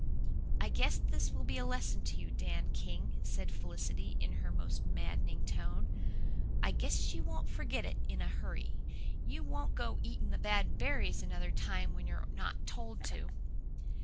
"I guess this will be a lesson to you, Dan King," said Felicity, in her most maddening tone. "I guess you won't forget it in a hurry. You won't go eating the bad berries another time when you're told not to."